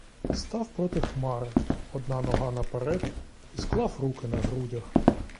Став проти хмари, одна нога наперед, і склав руки на грудях.